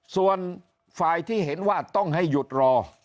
ส่วนฝ่ายที่เห็นว่าต้องให้หยุดรอ